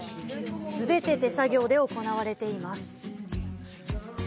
全て手作業で行われています。